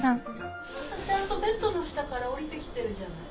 ちゃんとベッドの下から降りてきてるじゃない。